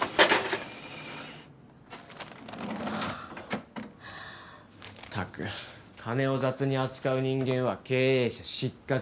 ったく金を雑に扱う人間は経営者失格。